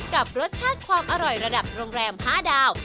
กับรสชาติความอร่อยระดับโรงแรม๕ดาว